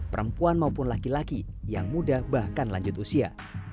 perempuan maupun laki laki yang muda bahkan lanjut usia